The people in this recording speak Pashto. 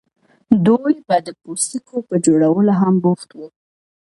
دوی به د پوستکو په جوړولو هم بوخت وو.